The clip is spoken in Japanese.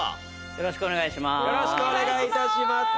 よろしくお願いします。